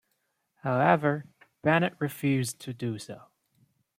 However, Bennett refused to do so.